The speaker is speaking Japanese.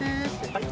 はい。